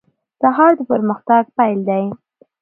سهار د پرمختګ پیل دی.